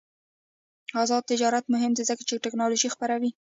آزاد تجارت مهم دی ځکه چې تکنالوژي خپروي.